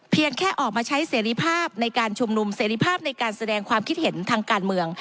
แค่ออกมาใช้เสรีภาพในการชุมนุมเสรีภาพในการแสดงความคิดเห็นทางการเมือง